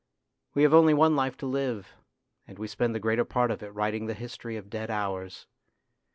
We have only one life to live, and we spend the greater part of it writing the history of dead hours.